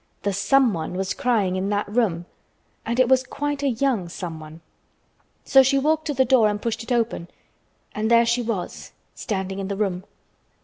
The Someone was crying in that room, and it was quite a young Someone. So she walked to the door and pushed it open, and there she was standing in the room!